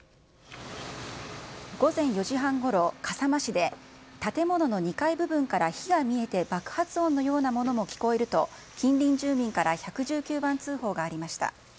午前４時半ごろ、笠間市で、建物の２階部分から火が見えて爆発音のようなものも聞こえると、近隣住民から１１９番通報がありました。